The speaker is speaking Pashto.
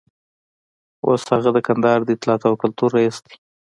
اوس هغه د کندهار د اطلاعاتو او کلتور رییس دی.